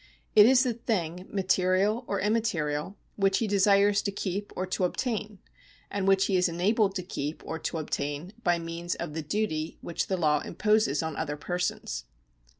It is the thing, material or immaterial, which he desires to keep or to obtain, and which he is enabled to keep or to obtain by means of the duty which the law imposes on other persons.